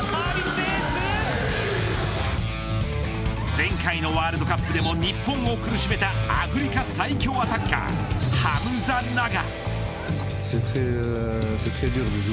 前回のワールドカップでも日本を苦しめたアフリカ最強アタッカーハムザ・ナガ。